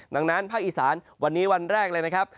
ดังนั้นภาคอีสานวันนี้วันแรกเลยนะครับ